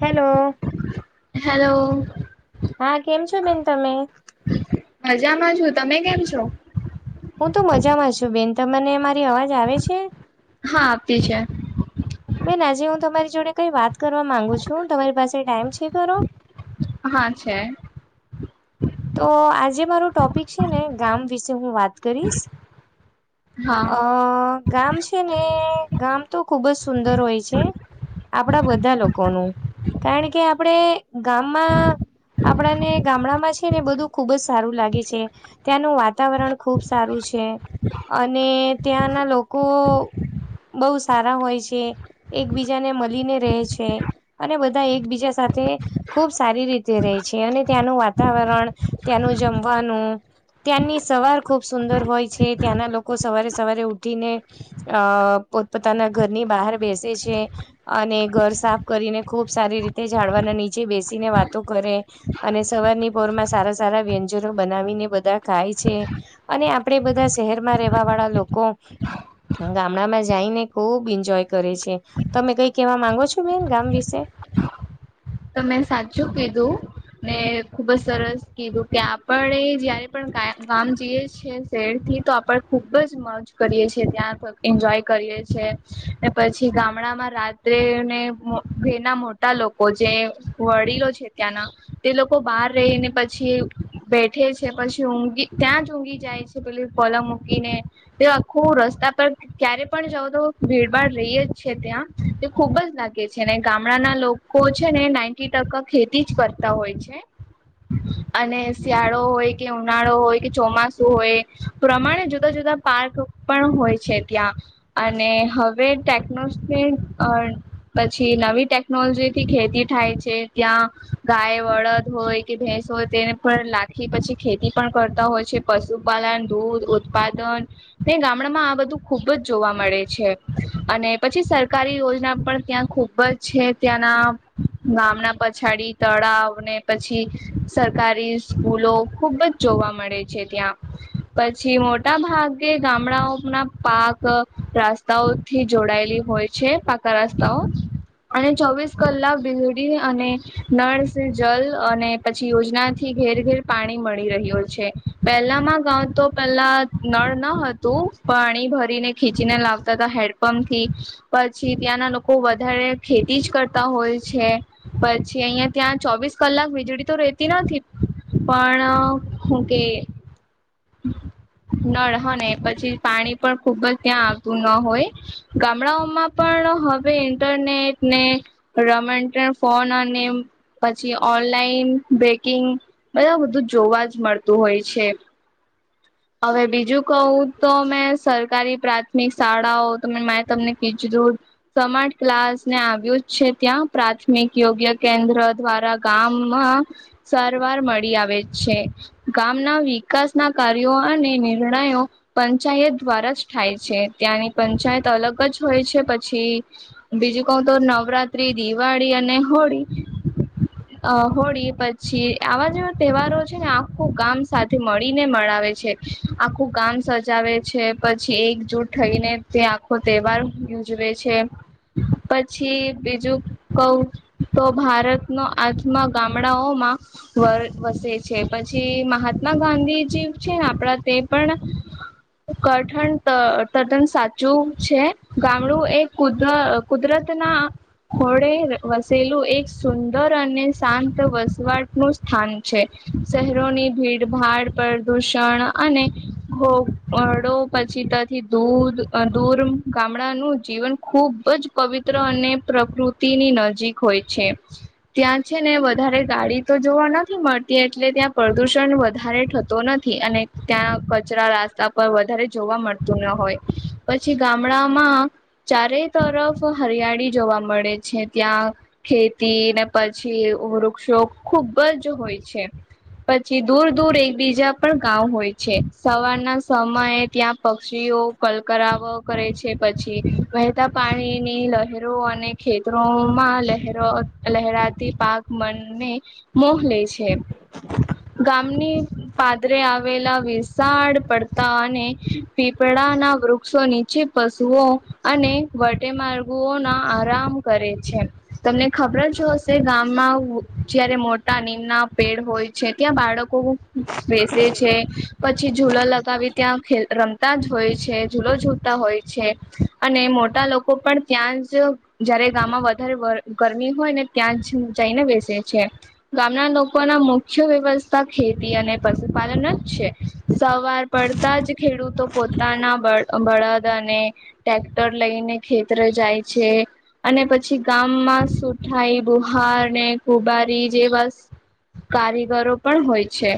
Hello. Hello. હા કેમ છો બેન તમે? મજામાં છુ, તમે કેમ છો? હું તો મજામાં છું બેન, તંમને મારી અવાજ આવે છે? હા આવતી છે. બેન આજે હું તમારી જોડે કઈ વાત કરવા માંગુ છું તમારી પાસે ટાઈમ છે ખરો? હા છે. તો આજે મારું ટોપીક છે ને ગામ વિશે હું વાત કરીશ હા અ ગામ છે ને ગામ તો ખુબ જ સુંદર હોય છે આપળા બધા લોકોનું, કારણ કે આપળે ગામમાં આપળાને ગામળામાં છે ને બધું ખુબ જ સારું લાગે છે ત્યાં નું વાતાવરણ ખુબ સારું છે ને ત્યાંના લોકો બોઉ સારા હોય છે એકબીજા ને મલીને રેય છે અને બધા એકબીજા સાથે ખૂબ સારી રીતે રેય છે અને ત્યાંનું વાતાવરણ, ત્યાંનું જમવાનું ત્યાંની સવાર ખુબ સુંદર હોય છે ત્યાંના લોકો સંવારે સવારે ઉઠીને અ પોતપોતાના ઘરની બહાર બેસે છે. અને ઘર સાફ કરીને ખુબ સારી રીતે ઝાડવાના નીચે બેસીને વાતો કરે. અને સવારની પોરમાં સારા સારા વ્યંજનો બનાવીને બધા ખાય છે. અને આપડે બધા શહેર માં રહેેવા વાળા લોકો ગામડામાં જઈ ને ખુબ એન્જોય કરે છે. તમે કઈ કેવા માંગો છો બેન ગામ વિશે? તમે સાચું કીધું. ને ખુબ જ સરસ કીધું કે આપણે જયારે પણ કા-ગામ જઈએ છે. શહેર થી તો આપડે ખુબ જ મોજ કરીએ છીએ ત્યાં પણ એન્જોય કરીએ છે. ને પછી ગામડા માં રાત્રે ને મો ઘે ના મોટા લોકો જે વડીલો છે ત્યાંના તે લોકો બહાર રહીને પછી બેઠે છે પછી ઊંઘી ત્યાં જ ઊંધી જાય છે. પેલું પલંગ મૂકીને તો આખું રસ્તા પર, ક્યારે પણ જાઓ તો ભીડભાડ રહી જ છે ત્યાં તે ખુબ જ લાગે છે ને ગામડાના લોકો કો છે ને નાઈન્ટી ટકા ખેતી જ કરતા હોય છે. અને શિયાળો હોય કે, ઉનાળો હોય કે, ચોમાસું હોય. પ્રમાણે જુદા જુદા પાર્ક પણ હોય છે ત્યાં અને હવે ટેકનોશ ને અ-અ, પછી નવી ટેકનોલોજી થી ખેતી થાય છે. કે ત્યાં ગાય બળદ હોય કે ભેંસ હોય તેને પણ લાખી પછી ખેતી પણ કરતા હોય છે. પશુપાલન, દૂધ, ઉત્પાદન તે ગામડામાં આ બધું ખુબ જ જોવા મળે છે અને પછી સરકારી યોજના પણ ત્યાં ખૂબ બજ છે ત્યાંના ગામના પછાડી તળાવ ને પછી સરકારી સ્કૂલો ખુબ જ જોવા મળે છે ત્યાં. પછી મોટા ભાગે ગામડાઓ ના પાક રસ્તાઓ થી જોડાયેલી હોય છે પાકા રસ્તાઓ અને ચોવીસ કલાક બિજ ળી અને નળ જલ અને પછી યોજના થી ઘેર ઘેર પાણી મળી રહ્યો છે. પહેલા માં ગઉ તો પેલા નળ ન હતું પાણી ભરીને ખીચીને લાવતા હતા હેડ પંપ થી પછી ત્યાંના લોકો વધારે ખેતી જ કરતા હોય છે. પછી અહિયાં ત્યાં ચોવીસ કલાક તો રેહતી નથી. પણ હું કે [inaudible] નળ હ ને પછી પાણી પણ ખુબ જ ત્યાં આવતું ન હોય ગામડાઓમાં પણ હવે ઇન્ટરનેટ ને [unintelligible] ફોન અને, પછી ઓનલાઈન, બેકિંગ બધા બધું જોવા જ મળતું હોય છે. હવે બીજું કહું તો મેં સરકારી પ્રાથમિક શાળાઓ મે તમને કીચલું. સમાર્ટ ક્લાસને આવ્યું જ છે. ત્યાં પ્રાથમિક યોગ્ય કેન્દ્ર દ્વારા, ગામમાં સારવાર મળી આવે છે. ગામના વિકાસ ના કાર [unintelligible] હ નઈ નહી જણાયો. પંચાયત દ્વારા જ થાય છે. ત્યાંની પંચાયત અલગ જ હોય છે. પછી, બીજું કઉ તો નવરાત્રી, દિવાળી અને હોળી. અ હોળી પછી આવા જેવા તહેવારો છે. ને આખું ગામ સાથે મળી ને મળાવે છે. આખું ગામ સજાવે છે. પછી એકજુટ થઈને તે આ [unintelligible] તહેવાર [inaudible] ઉજવે છે. પછી બીજું કઉ તો ભારતનો [unintelligible] આજના [inaudible] ગામડાઓમાં. [unintelligible] વર વસે છે, પછી મહાત્મા ગાંધીજી છે. ને આપડા તે પણ. કઠણ ત તદ્દન સાચું છે. ગામડું એ [inaudible] કુદર. કુદરતના. [unintelligible] [inaudible] હોડે વસેલું એક સુંદર અને શાંત વસવાટ [inaudible] નું. સ્થાન છે. શહેરોની ભીડભાડ પર. દૂષણ અને [inaudible] ખોપડો પછી [inaudible] તથી દૂધ દૂર. ગામડાનું જીવન ખુબ જ પવિત્ર અને પ્રકૃતિની નજીક હોય છે. ત્યાં છે ને વધારે ગાડી તો જોવા નથી મળતી, એટલે ત્યાં પ્રદૂષણ વધારે થતો નથી. થી અને ત્યાં કચરા રાસ્તા પર વધારે જોવા મળતું ન હોય પછી ગામડામાં! ચારે તરફ હરિયાળી જોવા મળે છે ત્યાં. ખેતી ને પછી વૃક્ષો ખુબ જ હોય છે. પછી દૂર દૂર એકબી [unintelligible] જા. પણ [inaudible] ગામં હોય છે. સવારના સમયે ત્યાં પક્ષીઓ [inaudible] કલકરાવ. કરે છે. પછી વહેતા પાણીની [inaudible] લહેરો અને [inaudible] ખેતરોમાં લહેરો. લહેરાતી પાક મનને મોહ લે છે. ગામની. પાદરે આવેલા વિસાળ [inaudible] પડતા અને પીપળાના વૃક્ષો [inaudible] નીચે. પશુઓ અને વટેમાર્ગોઓના આરામ કરે છે. તમને ખબર જ હશે, ગામમાં [inaudible] જયારે મોટા નીમના પેડ હોય. છે. ત્યાં બાળકો. બેસે છે, પછી ઝૂલા લગાવી ત્યાં [inaudible] રમતા જ હોય છે. જૂ જૂલો. [unintelligible] તા હોય છે, અને મોટા લોકો પણ ત્યાં જ. જયારે ગામમાં વધારે [unintelligible] ગરમી હોય. ને ત્યાં જ જઈને બેસે છે. ગામના લોકોના મુખ્ય વ્યવસ્થા [inaudible] ખેત. ખેતી અને પશુપાલન જ છે. સવાર પડતા જ ખેડૂતો પોતાના બળ. બળદ અને ટેક્ટર લઈને ખેતરે જાય છે. અને પછી ગામમાં [unintelligible] સુથાર બુહારને [unintelligible] ખુબારી જેવા. કારીગરો પણ હોય છે.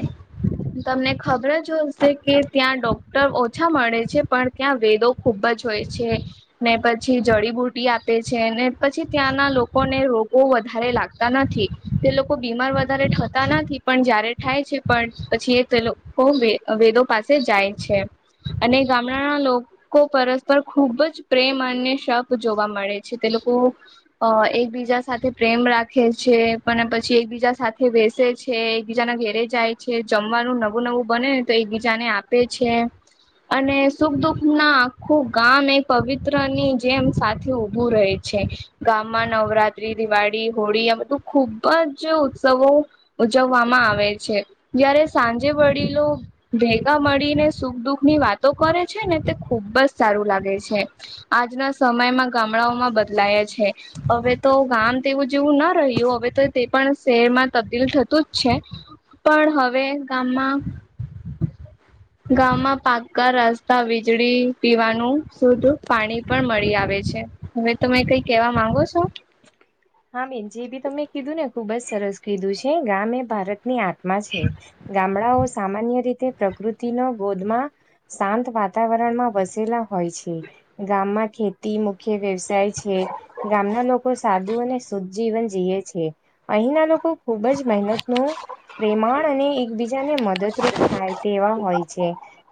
તમને ખ. જો [unintelligible] કે ત્યાં ડોક્ટર ઓછા મળે છે. પણ ત્યાં વેદો ખુબ જ હોય છે. ને પછી જડીબુટી આપે છે. ને પછી ત્યાંના લોકોને રોગો વધારે લાગતા નથી. તે લોકો બીમાર વધારે થતા નથી. પણ જયારે. થાય છે, પણ પછી એ તેલોકો વેદો પાસે જાય છે. અને ગામડાના લો. લોકો પરસ્પર ખુબ જ પ્રેમ અને શપ જોવા મળે છે. તે લોકો. અ એકબીજા સાથે પ્રેમ રાખે છે. પણ પછી એકબીજા સાથે બેસે છે. એકબીજાને. ઘરે જાય છે. જમવાનું નવું નવું બને તે એકબીજાને આપે છે. અને સુખ દુઃખના આખું ગામએ પવિત્રની જેમ સાથે ઉભું રહે છે. ગામમાં નવરાત્રી, દિવાળી, હોળી આ બધું ખુબ જ ઉત્સવો. ઉજવવામાં આવે છે. જયારે સાંજે વડીલો. ભેગા મળીને સુખ દુઃખની વાતો કરે છે ને તે ખુબ જ સારું લાગે છે. આજના સમયમાં ગામડાઓમાં બદલાયા છે. હવે તો ગામ તેવું જેવું ના રહ્યું હવે તો તે પણ શહેરમાં તબદીલ થતું જ છે. પણ હવે ગામમાં- [unintelligible] ગામમાં પાકકા રસ્તા વીજળી પીવાનું શુદ્ધ પાણી પણ મળી આવે છે. હવે તમે કઈ કેવા માંગો છો? હા બેન જે બી તમે કીધું ને ખુબ જ સરસ કીધું છે ગામે એ ભારતની આ- [unintelligible] છે ગામડાઓ સામાન્ય રીતે પ્રકૃતિ નો ગોદમાં- શાંત વાતાવરણમાં વસેલા હોય છે. ગામમાં ખેતી મુખ્ય વ્યવસાય છે ગામના લોકો સાદુઓ ને- શુદ્ધ જીવન જીએ છે અહીંના લોકો ખુબ જ મહેનતુ પ્રેમાણ અને એકબીજાને મદદરૂપ થાય તેવા હોય છે.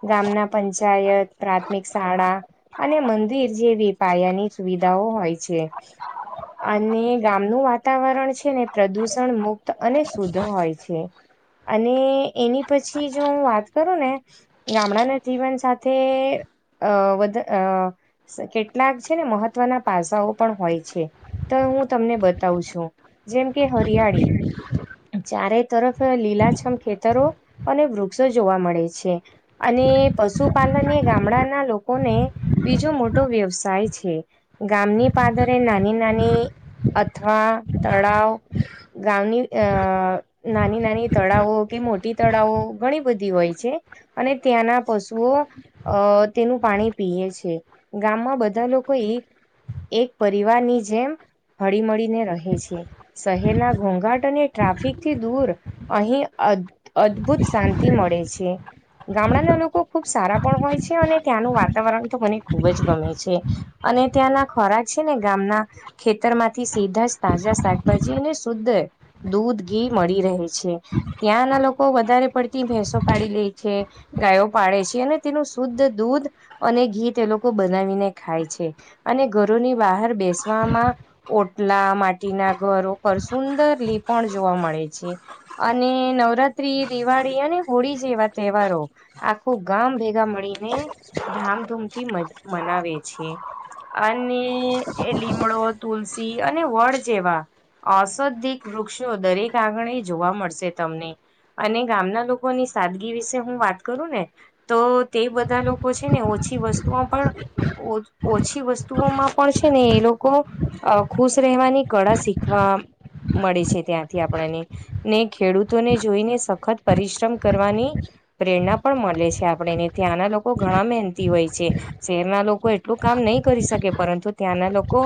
ગામના પંચાયત, પ્રાથમિક શાળા અને મંદિર જેવી પાયાની સુવિધાઓ હોય છે. અને- ગામનું વાતાવરણ છે ને પ્રદૂષણ મુક્ત અને શુદ્ધ હોય છે. અને એની પછી જો હું વાત કરું ને- ગામડાના જીવન સાથે અ વધ અ કેટલાક છે ને મહત્વના પાસાઓ પણ હોય છે તો હું તમને બતાવું છું જેમ કે હરિયાળી જ્યારે તરત લીલાછમ ખેતરો અને વૃક્ષો જોવા મળે છે. અને પશુપાલન એ ગામડા ના લોકોને- બીજો મોટો વ્યવસાય છે ગામની પાદરે નાની નાની- અથવા તળાવ ગામની અ નાની નાની તળાવો કે મોટી તળાવો ઘણી બધી હોય છે. અને ત્યાંના પશુઓ અ તેનું પાણી પીએ છે, ગામમાં બધા લોકો એક એક પરિવાર ની જેમ હળી મળીને રહે છે. શહેરના ઘોંઘાટ અને ટ્રાફિકથી દૂર અહીં અદ્ અદ્ભુત શાંતિ મળે છે. ગામડાના લોકો ખુબ સારા પણ હોય છે અને ત્યાંનું વાતાવરણ તો મને ખુબ જ ગમે છે. અને ત્યાંના ખોરાક છે ને ગામના ખેતરમાંથી સીધા જ તાજા શાકભાજી અને શુદ્ધ દૂધ ઘી મળી રહે છે ત્યાંના લોકો વધારે પડતી ભેંસો પાડી લે છે. ગાયો પાડે છે અને તેનું શુદ્ધ દૂધ અને ઘી તે લોકો બનાવીને ખાય છે. અને ઘરોની બહાર બેસવામાં ઓટલા માટીના ઘર ઉપર સુંદર લીપણ જોવા મળે છે. અને નવરાત્રી, દિવાળી અને હોળી જેવા તહેવારો આખું ગામ ભેગા મળીને ધામધૂમ થી મન્ મનાવે છે. અને એ લીમડો, તુલસી અને વડ જેવા અસધિક વૃક્ષો દરેક આંગણે જોવા મળશે તમને. અને ગામના લોકોની સાદગી વિશે હું વાત કરું ને- તો તે બધા લોકો છે ને ઓછી વસ્તુમાં પણ ઓછી વસ્તુઓમાં પણ છે ને એ લોકો અ ખુશ રહેવાની કળા શીખવા મળે છે ત્યાંથી આપણા ને. ને ખેડૂતોને જોઈને સખત પરિશ્રમ કરવાની પ્રેરણા પણ મળે છે આપણેને ત્યાંના લોકો ઘણા મહેનતી હોય છે. શહેરના લોકો એટલું કામ નહી કરી શકે પરંતુ ત્યાંના લોકો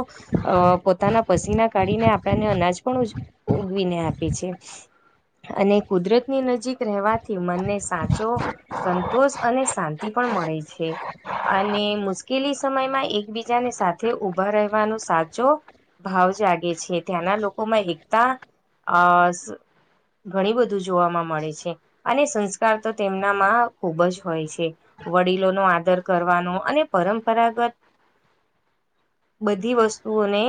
અ પોતાના પસીના કાઢીને આપણને અનાજ પણ ઉ ઉગવીને આપે છે. અને કુદરતની નજીક રહેવાથી મનને સાચો સંતોષ અને શાંતિ પણ મળે છે. અને મુશ્કેલી સમય માં એકબીજાને સાથે ઉભા રહેવાનું સાથ જોભાવ જાગે છે. ત્યાંના લોકોમાં એકતા અ ઘણી બધું જોવાવામાં મળે છે. અને સંસ્કાર તો તેમનામાં ખુબ જ હોય છે. વડીલો નો આદર કરવાનો અને પરંપરાગત બધી વસ્તુ તુઓને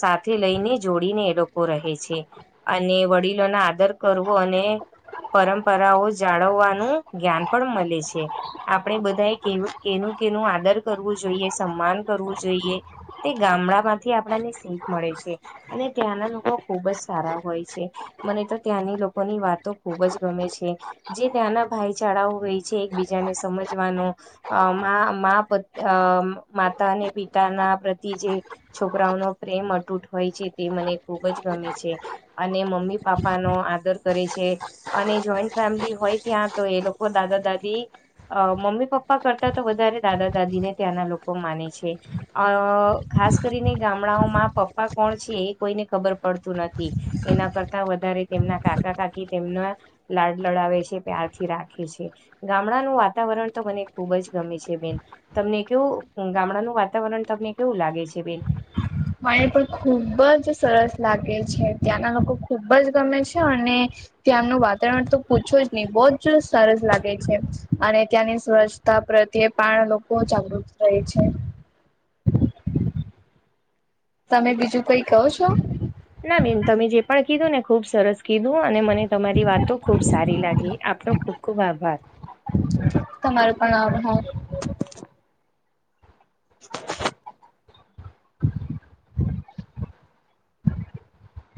સાથે લઈને જોડીને એ લોકો રહે છે. અને વડીલોના આદર કરવો અને પરંપરાઓ જાળવવાનું જ્ઞાન પણ મળે છે. આપણે બધાએ કેનું કેનું આદર કરવું જોઈએ. સન્માન કરવું જોઈએ. તે ગામડા માંથી આપણાને શીખ મળે છે. અને ત્યાંના લોકો ખુબ જ સારા હોય છે. મને તો ત્યાંની લોકોની વાતો ખુબ જ ગમે છે. જે ત્યાંના ભાઈચારાઓ છે એકબીજાને સમજવાનો અ માં પતેમાતા પિતાનાપ એજે છોકરાઓનો પ્રેમ અતૂટ હોય છે. તે મને ખૂબ જ ગમે છે. અને મમ્મી પાપા નો આદર કરે છે. અને જોઈન્ટ ફેમિલી હોય ત્યાં તો એ લોકો દાદા દાદી અ મમ્મી પપ્પા કરતા તો વધારે દાદા દાદી ને ત્યાંના લોકો માને છે. અ ખાસકરીને ગામડાઓમાં પપ્પા કોણ છે. એ કોઈને ખબર પડતું નથી. એના કરતા વધારે તેમના કાકા કાકી તેમના લાડ લડાવે છે. પ્યારથી રાખે છે. ગામડાનું વાતાવરણ તો મને ખુબ જ ગમે છે. બેન તમને કેવું ગામડાનું વાતાવરણ તમને કેવું લાગે છે. બેન મને પણ ખૂબ જ સરસ લાગે છે. ત્યાં નાલોકો ખૂબ જ ગમે છે. અને ત્યાં એનું વાતાવરણ તો પૂછો જ નહી બહુ જ સરસ લાગે છે. અને ત્યાંની સ્વચ્છ છતાપ્રત્યે પણ લોકો જાગૃત થાય છે. તમે બીજું ક‌ઈ કહોછો? હ ના બેન તમે જે પણ કીધું ને ખૂબ સરસ કીધું અને મને તમારી વાતો ખૂબ સારી લાગી આપણ ખૂબ આભાર. [inaudible] તમારોપણ આભાર. [inaudible]